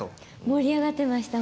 盛り上がっていました。